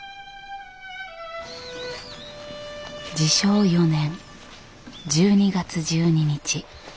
治承４年１２月１２日。